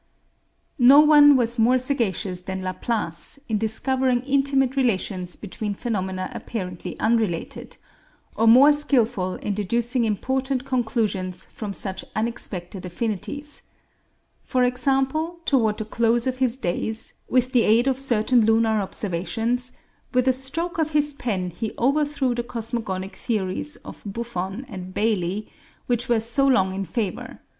No one was more sagacious than Laplace in discovering intimate relations between phenomena apparently unrelated, or more skillful in deducing important conclusions from such unexpected affinities. For example, toward the close of his days, with the aid of certain lunar observations, with a stroke of his pen he overthrew the cosmogonic theories of Buffon and Bailly, which were so long in favor.